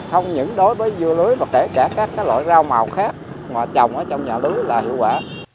không những đối với dưa lưới mà kể cả các loại rau màu khác mà trồng trong nhà lưới là hiệu quả